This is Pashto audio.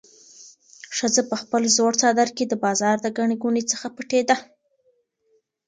ښځه په خپل زوړ څادر کې د بازار د ګڼې ګوڼې څخه پټېده.